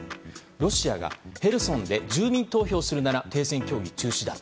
ロシアがヘルソンで住民投票するなら停戦協議中止だ。